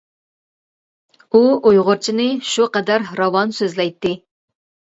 ئۇ ئۇيغۇرچىنى شۇ قەدەر راۋان سۆزلەيتتى.